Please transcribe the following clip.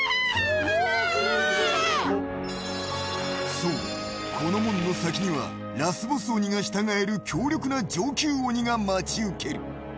そう、この門の先にはラスボス鬼が従える強力な上級鬼が待ち受ける。